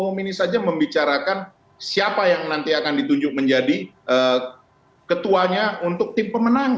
ketua umum ini saja membicarakan siapa yang nanti akan ditunjuk menjadi ketuanya untuk tim pemenang